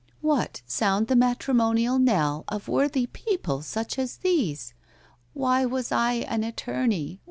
"What! sound the matrimonial knell Of worthy people such as these! Why was I an attorney?